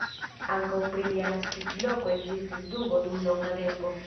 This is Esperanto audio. Ankaŭ pri lia naskiĝloko ekzistis dubo dum longa tempo.